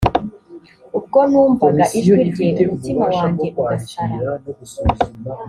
ubwo numvaga ijwi rye umutima wanjye ugasara